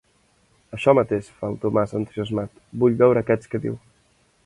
Això mateix –fa el Tomàs, entusiasmat–, vull veure aquests que diu.